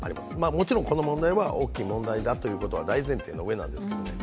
もちろん、この問題は大きい問題だということは大前提のうえですが。